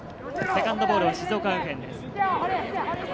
セカンドボールは静岡学園です。